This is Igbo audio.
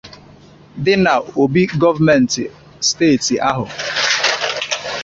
dị n'obi gọọmenti steeti ahụ